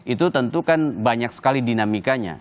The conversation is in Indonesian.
itu tentu kan banyak sekali dinamikanya